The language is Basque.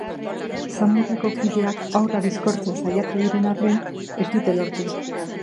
Samurreko kideak haurra bizkortzen saiatu diren arren, ez dute lortu.